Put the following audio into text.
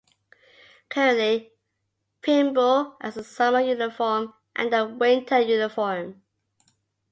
Currently, Pymble has a summer uniform and a winter uniform.